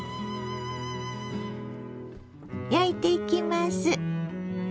焼いていきます。